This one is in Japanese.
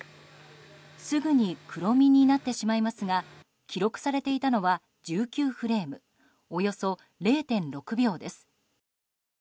すぐに黒味になってしまいますが記録されていたのは１９フレームおよそ０．６秒です。